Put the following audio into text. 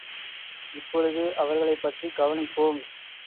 இப்பொழுது அவர்களைப்பற்றிக் கவனிப்போம்.